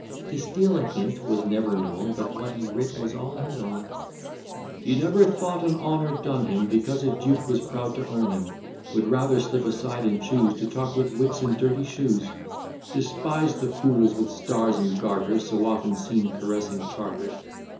To steal a hint was never known, But what he writ was all his own. "He never thought an honour done him, Because a duke was proud to own him, Would rather slip aside and chuse To talk with wits in dirty shoes; Despised the fools with stars and garters, So often seen caressing Chartres.